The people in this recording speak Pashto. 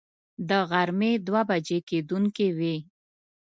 د غرمې دوه بجې کېدونکې وې.